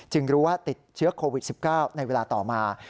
รู้ว่าติดเชื้อโควิด๑๙ในเวลาต่อมา